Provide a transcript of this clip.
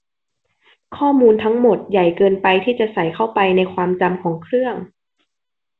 ข้อมูลทั้งหมดใหญ่เกินไปที่จะใส่เข้าไปในความจำของเครื่อง